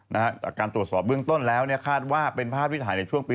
แต่การตรวจสอบเบื้องต้นแล้วคาดว่าเป็นภาพที่ถ่ายในช่วงปี๑๙๖๐